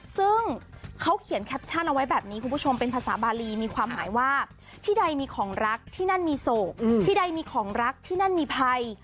ซึ่งเขาเขียนแคปชั่นเอาไว้แบบนี้คุณผู้ชมเป็นภาษาบาลีมีความหมายว่าที่ใดมีของรักที่นั่นมีโศกที่ใดมีของรักที่นั่นมีภัย